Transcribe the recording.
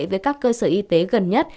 với các cơ sở y tế gần nhất